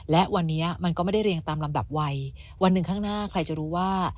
และวันนี้มันก็ไม่ได้เรียงตามลำดับวัยวันหนึ่งข้างหน้าใครจะรู้ว่า